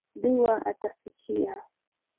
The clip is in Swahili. Dua atasikia